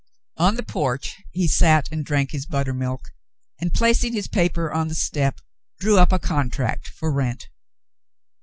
^ On the porch he sat and drank his buttermilk and, placing his paper on the step, drew up a contract for rent.